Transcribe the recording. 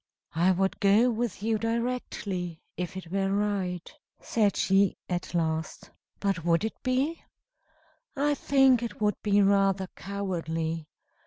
"I would go with you directly, if it were right," said she, at last. "But would it be? I think it would be rather cowardly.